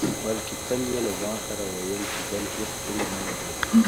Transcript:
بلکې تل يې له ځانه سره ويل چې بله هېڅ هيله نه لري.